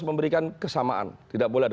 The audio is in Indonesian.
memberikan kesamaan tidak boleh ada